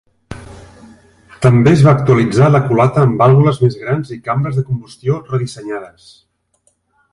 També es va actualitzar la culata amb vàlvules més grans i cambres de combustió redissenyades.